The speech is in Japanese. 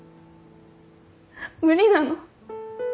無理なの。